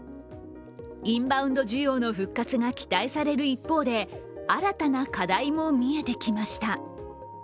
インバウンド需要の復活が期待される一方で新たな課題も見えてきました。